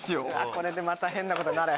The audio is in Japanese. これでまた変なことになれ。